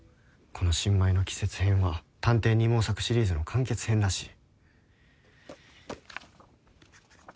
この『新米の季節』編は『探偵二毛作』シリーズの完結編らしい。